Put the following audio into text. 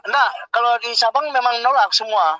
nah kalau di sabang memang nolak semua